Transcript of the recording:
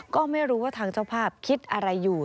ก็ไม่รู้ว่าทางเจ้าภาพคิดอะไรอยู่